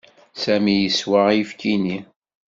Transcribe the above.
Sami yeswa ayefki-nni.